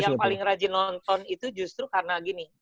yang paling rajin nonton itu justru karena gini